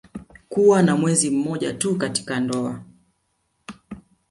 Kuwa na mwenzi mmoja tu katika ndoa